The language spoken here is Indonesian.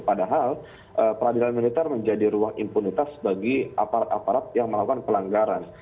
padahal peradilan militer menjadi ruang impunitas bagi aparat aparat yang melakukan pelanggaran